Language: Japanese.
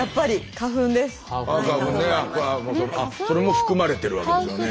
花粉ねそれも含まれてるわけですよね。